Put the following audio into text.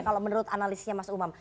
kalau menurut analisnya mas umam